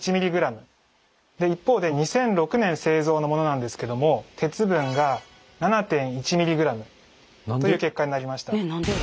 一方で２００６年製造のものなんですけども鉄分が７．１ｍｇという結果になりました。